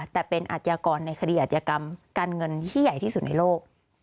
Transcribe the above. แต่เป็นอาชญากรในคดีอาจยกรรมการเงินที่ใหญ่ที่สุดในโลก